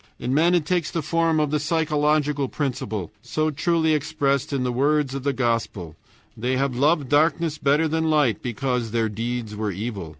In men it takes the form of the psychological principle, so truly expressed in the words of the Gospel, "They have loved darkness better than light because their deeds were evil."